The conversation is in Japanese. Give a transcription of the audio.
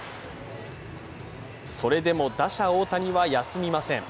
それでも打者・大谷は休みません。